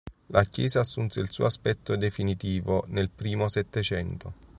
La chiesa assunse il suo aspetto definitivo nel primo Settecento.